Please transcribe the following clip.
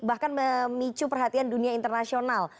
bahkan memicu perhatian dunia internasional